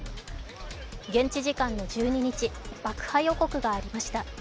現地時間の１２日、爆破予告がありました。